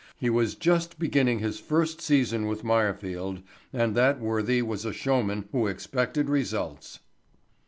He was just beginning his first season with Meyerfield and that worthy was a showman who expected results.